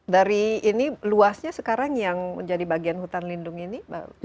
dari ini luasnya sekarang yang menjadi bagian hutan lindung ini